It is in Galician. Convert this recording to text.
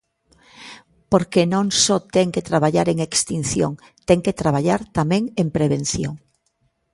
Porque non só ten que traballar en extinción, ten que traballar tamén en prevención.